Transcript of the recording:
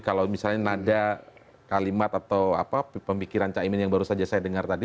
kalau misalnya nada kalimat atau pemikiran caimin yang baru saja saya dengar tadi